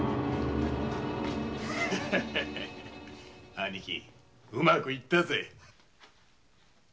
兄貴うまくいったぜ。